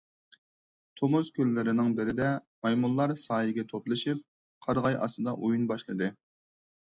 تومۇز كۈنلىرىنىڭ بىرىدە مايمۇنلار سايىگە توپلىشىپ، قارىغاي ئاستىدا ئويۇن باشلىدى.